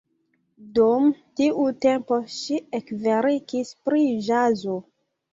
Dum tiu tempo ŝi ekverkis pri ĵazo.